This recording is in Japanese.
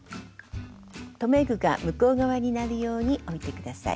留め具が向こう側になるように置いて下さい。